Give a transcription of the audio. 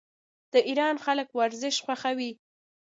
د ایران خلک ورزش خوښوي.